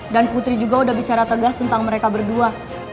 dan putri juga udah bicara tegas tentang mereka berdua